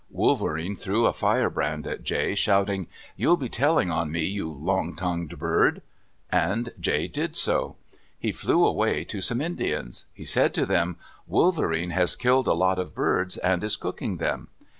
Wolverene threw a firebrand at Jay, shouting, "You'll be telling on me, you long tongued bird." And Jay did so. He flew away to some Indians. He said to them, "Wolverene has killed a lot of birds and is cooking them."